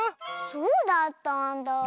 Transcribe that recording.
そうだったんだあ。